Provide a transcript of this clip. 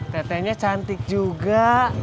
tetenya cantik juga